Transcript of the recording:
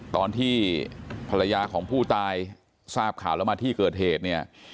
ตอนที่ภรรยาของผู้ตายทราบข่าวแล้วมาที่เกิดเหตุเนี่ย